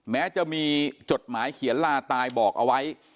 แม้จะมีจดหมายเขียนลาตายบอกเอาไว้